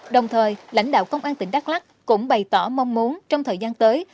đồng thời lãnh đạo công an tỉnh đắk lắc cũng bày tỏ mong muốn trong thời gian tới